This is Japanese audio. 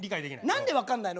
何で分かんないの？